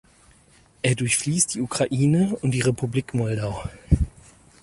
Er durchfließt die Ukraine und die Republik Moldau.